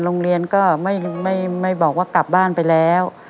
โรงเรียนก็ไม่บอกว่ากลับบ้านไปแล้ว